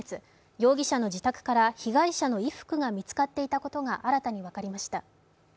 容疑者の自宅から被害者の衣服が見つかっていたことが新たに分かりました。